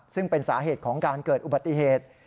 ซึ่งเป็นสาเหตุของการเกิดอุบัติเหตุ